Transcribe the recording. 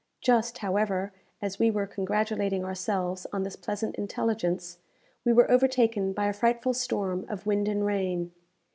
Just, however, as we were congratulating ourselves on this pleasant intelligence, we were overtaken by a frightful storm of wind and rain.